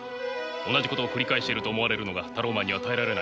同じことを繰り返していると思われるのがタローマンには耐えられないんです。